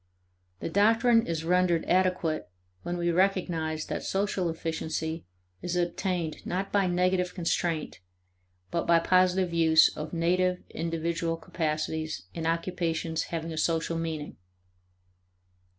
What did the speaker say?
The doctrine is rendered adequate when we recognize that social efficiency is attained not by negative constraint but by positive use of native individual capacities in occupations having a social meaning.